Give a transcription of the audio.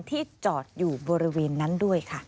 ที่จอดอยู่บริเวณนั้นด้วยค่ะ